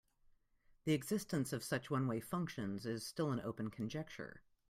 The existence of such one-way functions is still an open conjecture.